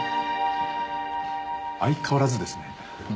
相変わらずですね。